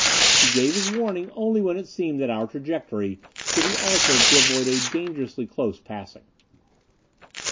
He gave his warning only when it seemed that our trajectory should be altered to avoid a dangerously close passing.